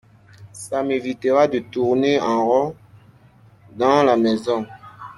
Ça m’évitera de tourner en rond dans la maison.